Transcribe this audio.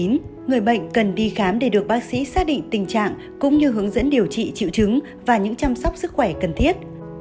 người bệnh cần đi khám để được bác sĩ xác định tình trạng cũng như hướng dẫn điều trị triệu chứng và những chăm sóc sức khỏe cần thiết